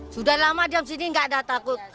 sudah lama diam sini tidak ada takut